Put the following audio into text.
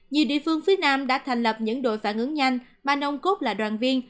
nhiều địa phương phía nam đã thành lập những đội phản ứng nhanh mà nông cốt là đoàn viên